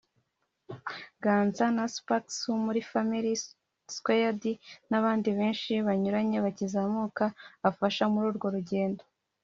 Ganza na Spax wo muri Family Squard n'abandi benshi banyuranye bakizamuka afasha muri urwo rugendo